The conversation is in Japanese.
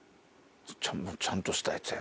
ちゃんとしたやつやな。